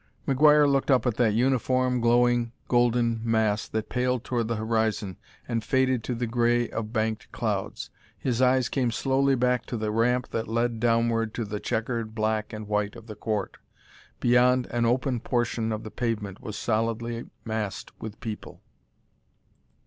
McGuire looked up at that uniform, glowing, golden mass that paled toward the horizon and faded to the gray of banked clouds. His eyes came slowly back to the ramp that led downward to the checkered black and white of the court. Beyond an open portion the pavement was solidly massed with people.